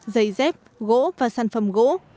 giấy dép gỗ và sản phẩm gỗ